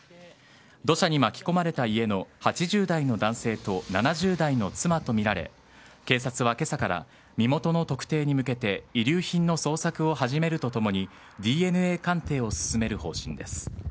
土砂に巻き込まれた家の８０代の男性と７０代の妻とみられ警察は今朝から身元の特定に向けて遺留品の捜索を始めるとともにＤＮＡ鑑定を進める方針です。